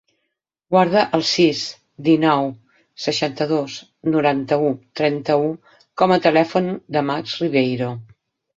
Guarda el sis, dinou, seixanta-dos, noranta-u, trenta-u com a telèfon del Max Ribeiro.